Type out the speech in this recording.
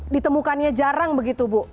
ditemukannya jarang begitu bu